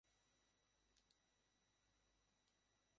ঈদগড় ইউনিয়নের প্রধান হাট-বাজার হল ঈদগড় বাজার।